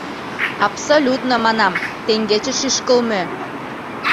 Абсолютно, манам, теҥгече шӱшкылмӧ.